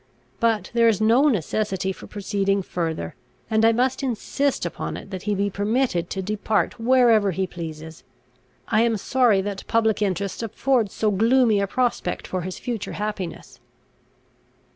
But there is no necessity for proceeding further; and I must insist upon it that he be permitted to depart wherever he pleases. I am sorry that public interest affords so gloomy a prospect for his future happiness."